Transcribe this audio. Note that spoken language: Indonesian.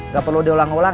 gak perlu diorang dorang